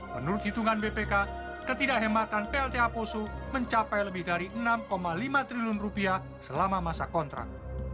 menurut hitungan bpk ketidak hematan plta poso mencapai lebih dari rp enam lima triliun selama masa kontrak